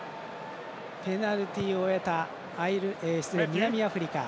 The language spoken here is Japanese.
ペナルティを得た南アフリカ。